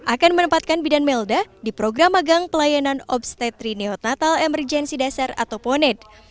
akan menempatkan bidan melda di program agang pelayanan obstetri neonatal emergenci dasar atau poned